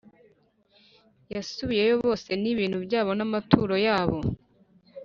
basubiyeyo bose n ibintu byabo n amaturo yabo